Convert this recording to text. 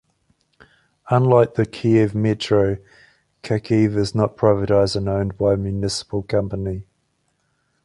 Unlike the Kiev Metro, Kharkiv is not privatised and owned by a municipal company.